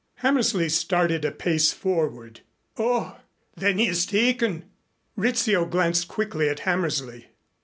Hammersley started a pace forward. "Oh, then he is taken!" Rizzio glanced quickly at Hammersley.